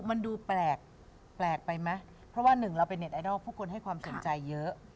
มันดูแปลกแปลกไปไหมเพราะว่าหนึ่งเราเป็นเน็ตไอดอลผู้คนให้ความสนใจเยอะ